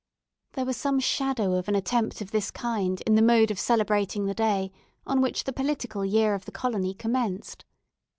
There was some shadow of an attempt of this kind in the mode of celebrating the day on which the political year of the colony commenced.